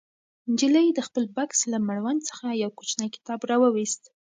نجلۍ د خپل بکس له مړوند څخه یو کوچنی کتاب راوویست.